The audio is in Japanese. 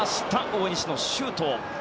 大西のシュート。